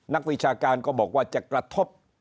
วิชาการก็บอกว่าจะกระทบ